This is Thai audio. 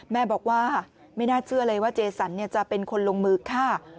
แม่บอกว่าไม่น่าเชื่อเลยว่าเจสันจะเป็นคนลงมือฆ่า